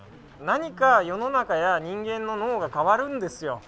何か世の中や人間の脳が変わるんですよ。